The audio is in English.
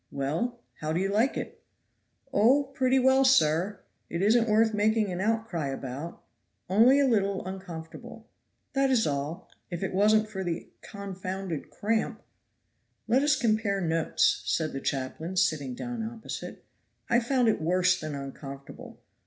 "Well, how do you like it?" "Oh! pretty well, sir; it isn't worth making an outcry about." "Only a little _on_comfortable." "That is all; if it wasn't for the confounded cramp." "Let us compare notes," said the chaplain, sitting down opposite. "I found it worse than uncomfortable.